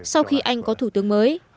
sau khi anh có thủ tướng mới